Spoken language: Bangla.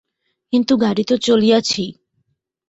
কিন্তু গাড়ি তো চলিয়াছেই।